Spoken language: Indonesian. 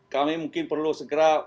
kami mungkin perlu segera